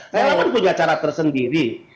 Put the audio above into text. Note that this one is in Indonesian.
relawan punya cara tersendiri